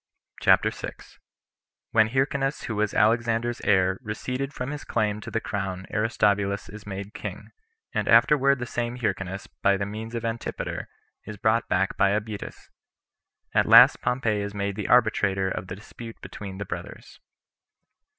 CHAPTER 6. When Hyrcanus Who Was Alexander's Heir, Receded From His Claim To The Crown Aristobulus Is Made King; And Afterward The Same Hyrcanus By The Means Of Antipater, Is Brought Back By Abetas. At Last Pompey Is Made The Arbitrator Of The Dispute Between The Brothers.